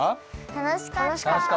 楽しかった。